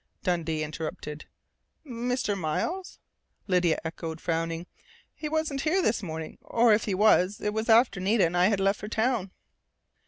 Dundee interrupted. "Mr. Miles?" Lydia echoed, frowning. "He wasn't here this morning, or if he was, it was after Nita and I left for town."